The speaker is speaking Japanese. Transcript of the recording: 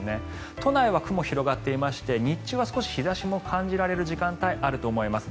都内は雲が広がっていまして日中は少し日差しも感じられる時間帯があると思います。